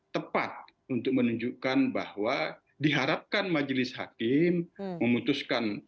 tepat untuk menunjukkan bahwa diharapkan majelis hakim memutuskan